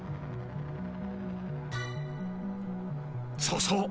［そうそう。